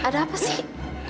ada apa sih